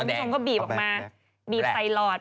คุณผู้ชมก็บีบออกมาบีบใส่หลอด